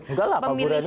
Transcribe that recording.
enggak lah pak budhani